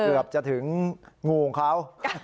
เกือบจะถึงงูของเขา